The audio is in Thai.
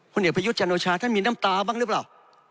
พลเอกพระยุทธแจ่งโอชาท่านมีน้ำตาบ้างรึเปล่า